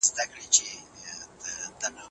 د علماوو رول په ټولنه کي د انکار وړ نه دی.